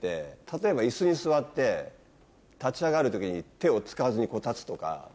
例えば椅子に座って立ち上がる時に手を使わずに立つとか。